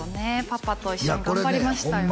パパと一緒に頑張りましたよ